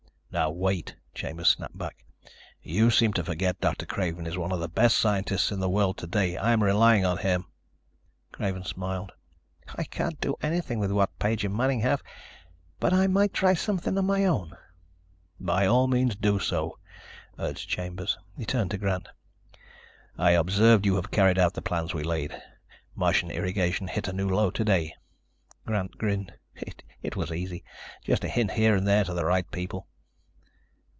"Now, wait," Chambers snapped back. "You seem to forget Dr. Craven is one of the best scientists in the world today. I'm relying on him." Craven smiled. "I can't do anything with what Page and Manning have, but I might try something of my own." "By all means do so," urged Chambers. He turned to Grant. "I observed you have carried out the plans we laid. Martian Irrigation hit a new low today." Grant grinned. "It was easy. Just a hint here and there to the right people."